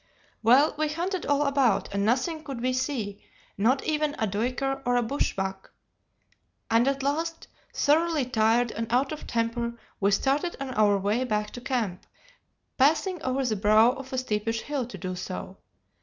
"Well, we hunted all about, and nothing could we see, not even a duiker or a bush buck; and at last, thoroughly tired and out of temper, we started on our way back to camp, passing over the brow of a steepish hill to do so.